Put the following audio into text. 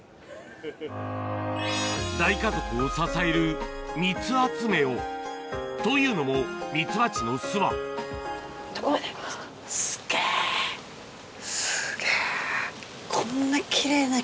大家族を支えるというのもミツバチの巣はこんな。